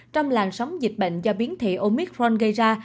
trong làn sóng dịch bệnh do biến thể omicron gây ra